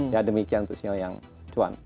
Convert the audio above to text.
ya demikian untuk sinyal yang cuan